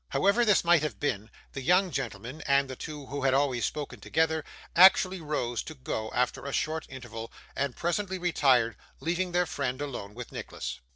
However this might have been, the young gentleman and the two who had always spoken together, actually rose to go after a short interval, and presently retired, leaving their friend alone with Nicholas.